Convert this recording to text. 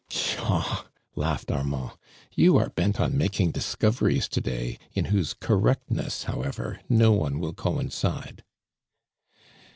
'•Pshaw!" laughed Armand. "You are bent on making discoveries today, in whose correctness, however, no one will coincide."